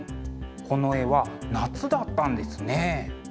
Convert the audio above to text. この絵は夏だったんですね。